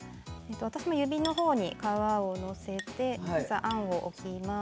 私も指のほうに皮を載せてあんを置きます。